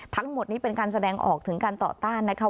ทั้งหมดนี้เป็นการแสดงออกถึงการต่อต้านนะคะ